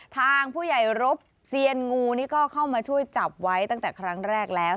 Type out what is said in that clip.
ทางผู้ใหญ่รบเซียนงูนี่ก็เข้ามาช่วยจับไว้ตั้งแต่ครั้งแรกแล้ว